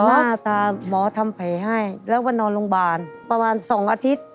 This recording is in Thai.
หน้าตาหมอทำแผลให้แล้วก็นอนโรงพยาบาลประมาณ๒อาทิตย์